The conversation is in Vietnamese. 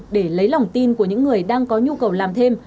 để lấy lòng tin của những người đang có nhu cầu làm thêm